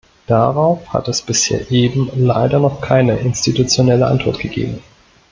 Darauf hat es bisher eben leider noch keine institutionelle Antwort gegeben.